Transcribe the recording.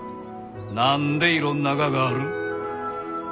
何でいろんなががある？